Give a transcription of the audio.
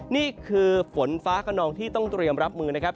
นี่คือฝนฟ้าขนองที่ต้องเตรียมรับมือนะครับ